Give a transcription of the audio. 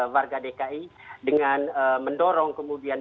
warga dki dengan mendorong kemudian